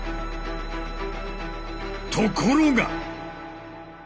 ところが！